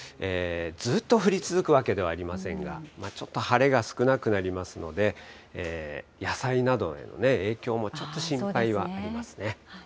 ずっと降り続くわけではありませんが、ちょっと晴れが少なくなりますので、野菜などへの影響も、ちょっと心配はありますね。